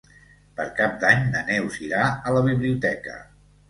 Per Cap d'Any na Neus irà a la biblioteca.